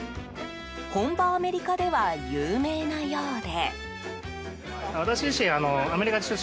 本場アメリカでは有名なようで。